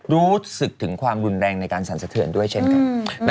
รู้สึกถึงความรุนแรงในการสั่นสะเทือนด้วยเช่นกัน